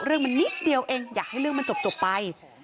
เรื่องมันนิดเดียวเองอยากให้เรื่องมันจบไป